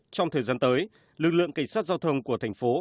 trong thời gian tới lực lượng cảnh sát giao thông của thành phố